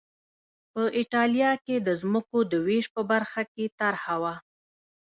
په اېټالیا کې د ځمکو د وېش په برخه کې طرحه وه